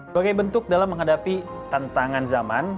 sebagai bentuk dalam menghadapi tantangan zaman